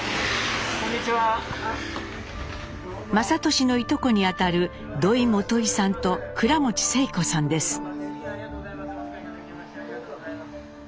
雅俊のいとこにあたる土井基さんと倉持征子さんです。